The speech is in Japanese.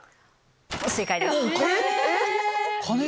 正解です。